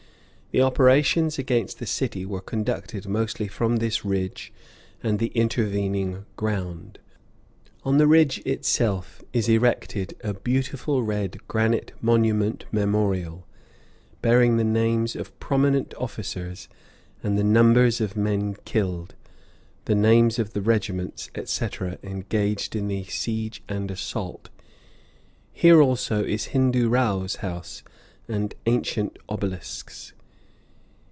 The operations against the city were conducted mostly from this ridge and the intervening ground; on the ridge itself is erected a beautiful red granite monument memorial, bearing the names of prominent officers and the numbers of men killed, the names of the regiments, etc., engaged in the siege and assault. Here, also, is Hindoo Rao's house, and ancient obelisks.